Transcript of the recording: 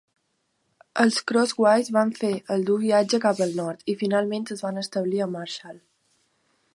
Els Crosswhites van fer el dur viatge cap al nord i finalment es van establir a Marshall.